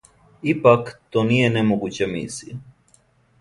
Ипак, то није немогућа мисија.